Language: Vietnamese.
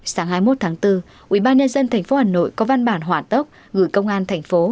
sáng hai mươi một tháng bốn ubnd tp hà nội có văn bản hỏa tốc gửi công an thành phố